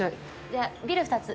じゃあビール２つ。